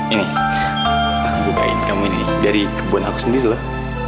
ini aku bukain kamu ini nih dari kebun aku sendiri lah